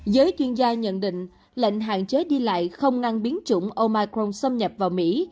giới chuyên gia nhận định lệnh hạn chế đi lại không ngăn biến chủng omicron xâm nhập vào mỹ